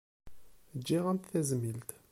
Ǧǧiɣ-am-d tazmilt.